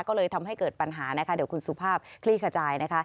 ก็เลยทำให้เกิดปัญหานะคะเดี๋ยวคุณสุภาพคลี่ขจายนะคะ